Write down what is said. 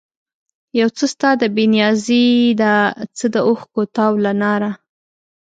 یو څه ستا د بې نیازي ده، څه د اوښکو تاو له ناره